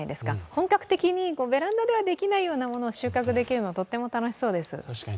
本格的にベランダではできないものを収穫できるのは楽しそうです。